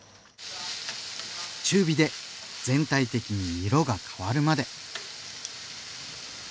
中火で全体的に色が変わるまで。